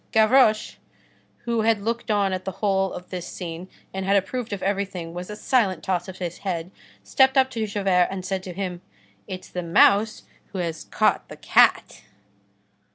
Gavroche, who had looked on at the whole of this scene and had approved of everything with a silent toss of his head, stepped up to Javert and said to him:— "It's the mouse who has caught the cat."